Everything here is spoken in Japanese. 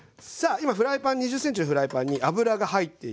今フライパンに２０ｃｍのフライパンに油が入っています。